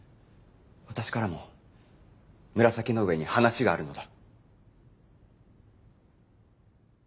私からも紫の上に話があるのだ。